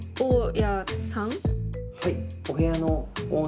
はい。